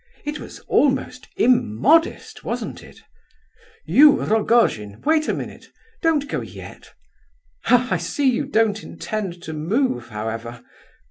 It was almost immodest, wasn't it? You, Rogojin, wait a moment, don't go yet! I see you don't intend to move however.